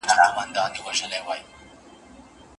ميرمن بايد د چا روزنه وکړي؟